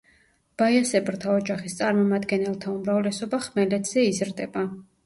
ბაიასებრთა ოჯახის წარმომადგენელთა უმრავლესობა ხმელეთზე იზრდება.